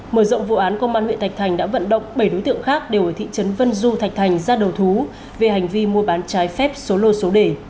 mở rộng vụ án công an huyện thạch thành đã vận động bảy đối tượng khác đều ở thị trấn vân du thạch thành ra đầu thú về hành vi mua bán trái phép số lô số đề